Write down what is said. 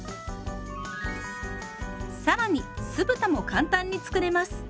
更に「酢豚」も簡単に作れます。